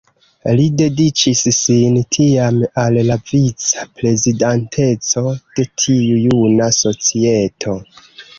Li dediĉis sin tiam al la vica-prezidanteco de tiu juna societo.